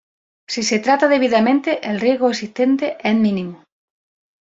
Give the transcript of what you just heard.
Si se trata debidamente el riesgo existente es mínimo.